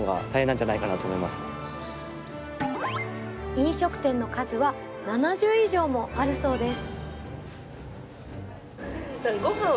飲食店の数は７０以上もあるそうです。